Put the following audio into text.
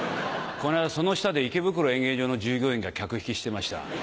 この間その下で池袋演芸場の従業員が客引きしてました。